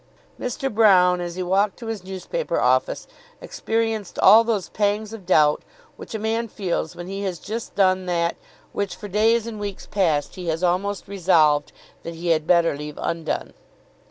Mr. Broune as he walked to his newspaper office experienced all those pangs of doubts which a man feels when he has just done that which for days and weeks past he has almost resolved that he had better leave undone.